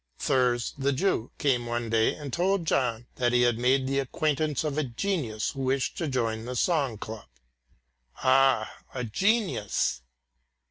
Thurs the Jew came one day and told John that he had made the acquaintance of a genius who wished to join their Song Club. "Ah, a genius!"